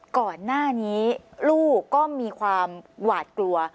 ก่อนหน้านี้ลูกก็มีความหวาดกลัว